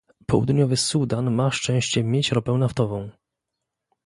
Południowy Sudan ma szczęście mieć ropę naftową